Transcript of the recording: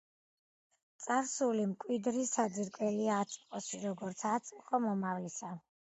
„წარსული მკვიდრი საძირკველია აწმყოსი, როგორც აწმყო მომავლისა.“